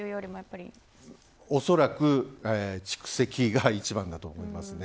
おそらく蓄積が一番だと思います。